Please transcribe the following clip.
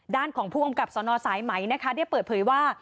ด้านของผู้กำกับสนสายไหมนะคะได้เปิดเผยว่า